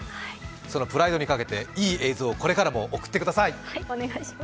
そのプライドにかけて、いい映像をこれからも送ってください！